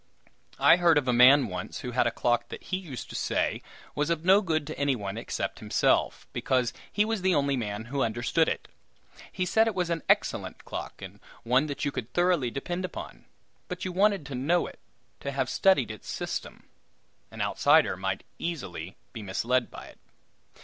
I heard of a man once who had a clock that he used to say was of no good to any one except himself, because he was the only man who understood it. He said it was an excellent clock, and one that you could thoroughly depend upon; but you wanted to know it to have studied its system. An outsider might be easily misled by it.